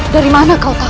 dari mana kau tahu